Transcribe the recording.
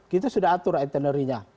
kita sudah atur itinerinya